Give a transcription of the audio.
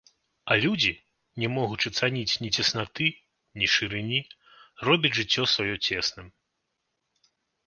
А людзі, не могучы цаніць ні цеснаты, ні шырыні, робяць жыццё сваё цесным.